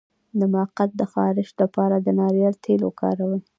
د مقعد د خارش لپاره د ناریل تېل وکاروئ